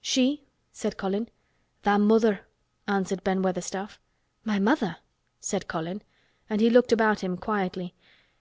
"She?" said Colin. "Tha' mother," answered Ben Weatherstaff. "My mother?" said Colin, and he looked about him quietly.